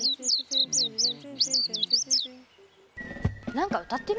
何か歌ってる？